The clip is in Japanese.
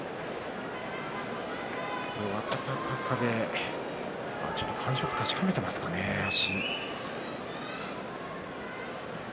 若隆景ちょっと感触を確かめていますかね、足。